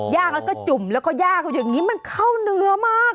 ย่างจุ่มแล้วก็ยากมันเข้าเนื้อมาก